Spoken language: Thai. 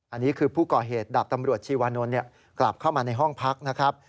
อันนี้คือผู้ก่อเหตุดาบตำรวจชีวานนท์กลับเข้ามาในห้องพักนะครับ